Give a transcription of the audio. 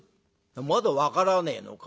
「まだ分からねえのか？